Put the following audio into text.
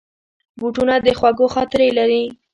بوټونه د خوږو خاطرې لري.